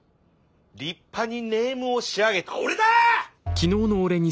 立派にネームを仕上げたおれだ！